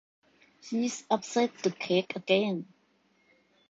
She's upset the cake again!